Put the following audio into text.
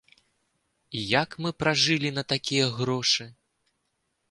І як мы пражылі на такія грошы?